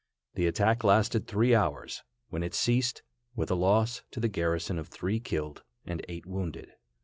The attack lasted three hours, when it ceased, with a loss to the garrison of three killed and eight wounded.